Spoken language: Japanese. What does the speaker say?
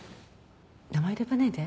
名前で呼ばないで。